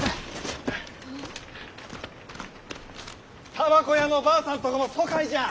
たばこ屋のばあさんとこも疎開じゃあ。